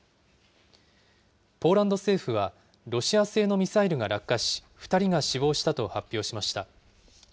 ポーランド政府は、ロシア製のミサイルが落下し、２人が死亡したと発表しました。